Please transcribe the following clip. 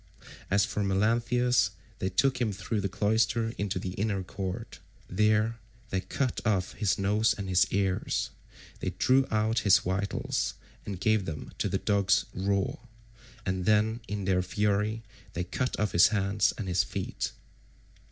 As for Melanthius, they took him through the cloister into the inner court. There they cut off his nose and his ears; they drew out his vitals and gave them to the dogs raw, and then in their fury they cut off his hands and his feet.